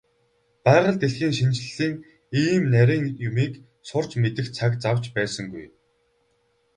Байгаль дэлхийн шинжлэлийн ийм нарийн юмыг сурч мэдэх цаг зав ч байсангүй.